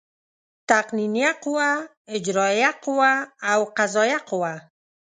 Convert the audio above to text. تقنینیه قوه، اجرائیه قوه او قضایه قوه.